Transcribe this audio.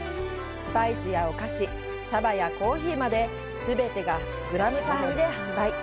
スパイスやお菓子、茶葉やコーヒーまで全てがグラム単位で販売。